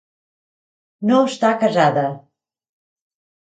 No està casada.